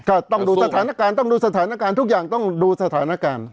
ต้องดูสถานการณ์ต้องดูสถานการณ์ทุกอย่างต้องดูสถานการณ์